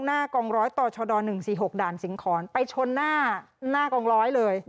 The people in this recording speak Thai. หน้ากองร้อยต่อชด๑๔๖ด่านสิงหอนไปชนหน้ากองร้อยเลย